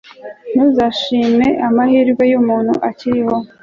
ntuzashime amahirwe y'umuntu akiriho